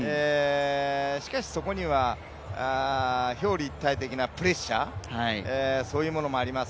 しかし、そこには表裏一体的なプレッシャーそういうものもあります。